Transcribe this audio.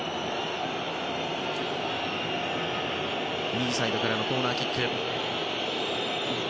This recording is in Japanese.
右サイドからのコーナーキック。